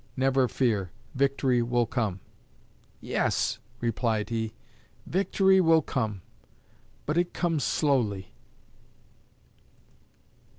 Never fear. Victory will come."' 'Yes,' replied he, 'victory will come, but it comes slowly.'"